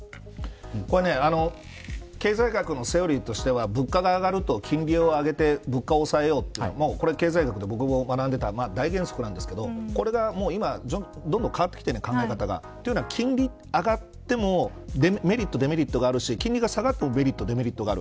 これ経済学のセオリーとしては物価が上がると金利を上げて物価を抑えようとこれ経済学で僕も学んだ大原則なんですけどこれが今どんどん変わってきている、考え方が。というのは金利が上がってもメリット、デメリットがあるし金利が下がってもメリット、デメリットがある。